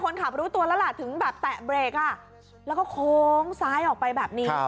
คนขับรู้ตัวแล้วถึงแบบแตกเบรคแล้วก็คงซ้ายออกไปแบบนี้